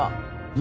何？